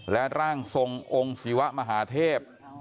และร่างทรงองค์ศิวะมหาเทพ